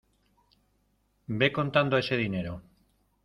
ve contando ese dinero.